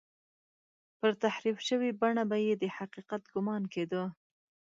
پر تحریف شوې بڼه به یې د حقیقت ګومان کېده.